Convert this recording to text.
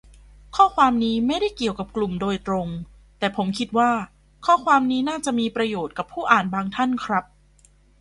ข้อความนี้ไม่ได้เกี่ยวกับกลุ่มโดยตรง แต่ผมคิดว่าข้อความนี้น่าจะมีประโยชน์กับผู้อ่านบางท่านครับ